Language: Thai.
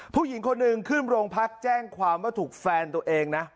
ผู้หญิงคนหนึ่งขึ้นโรงพักแจ้งความว่าถูกแฟนตัวเองนะ